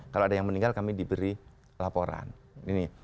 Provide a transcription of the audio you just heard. kalau ada yang meninggal kami diberi laporan ini